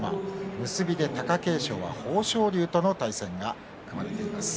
結びで貴景勝と豊昇龍との対戦が組まれています。